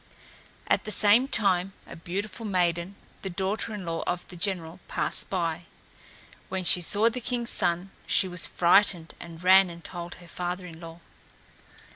At the same time a beautiful maiden, the daughter in law of the general, passed by. When she saw the king's son she was frightened and ran and told her father in law.